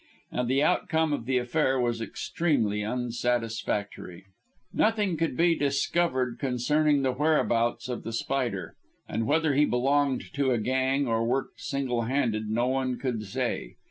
And the outcome of the affair was extremely unsatisfactory. Nothing could be discovered concerning the whereabouts of The Spider, and whether he belonged to a gang or worked single handed no one could say.